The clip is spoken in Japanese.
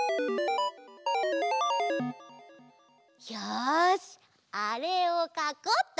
よしあれをかこうっと！